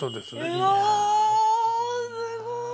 うわすごい！